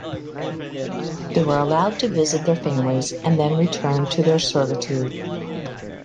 They were allowed to visit their families and then return to their servitude.